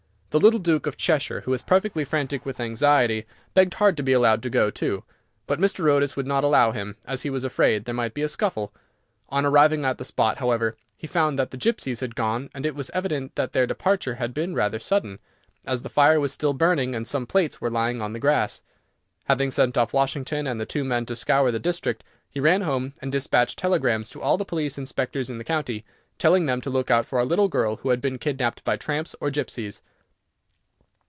The little Duke of Cheshire, who was perfectly frantic with anxiety, begged hard to be allowed to go too, but Mr. Otis would not allow him, as he was afraid there might be a scuffle. On arriving at the spot, however, he found that the gipsies had gone, and it was evident that their departure had been rather sudden, as the fire was still burning, and some plates were lying on the grass. Having sent off Washington and the two men to scour the district, he ran home, and despatched telegrams to all the police inspectors in the county, telling them to look out for a little girl who had been kidnapped by tramps or gipsies.